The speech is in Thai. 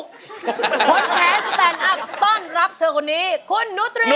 คนแพ้สแตนอัพต้อนรับเธอคนนี้คุณนุตรี